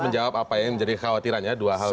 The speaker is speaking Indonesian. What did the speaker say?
jadi jawab apa yang menjadi khawatirannya dua hal tadi